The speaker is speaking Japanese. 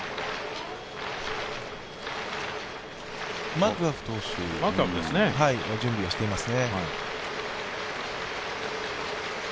マクガフ投手が準備をしていますね。